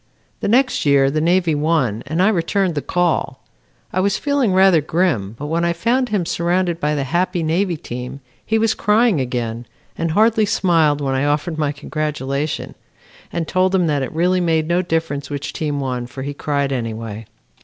The next year the Navy won and I returned the call. I was feeling rather grim, but when I found him surrounded by the happy Navy team, he was crying again and hardly smiled when I offered my congratulation, and told him that it really made no difference which team won for he cried anyway.